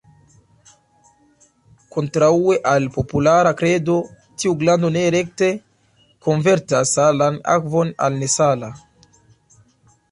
Kontraŭe al populara kredo, tiu glando ne rekte konvertas salan akvon al nesala.